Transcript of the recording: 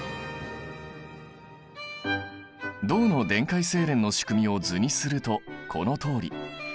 銅の電解精錬の仕組みを図にするとこのとおり。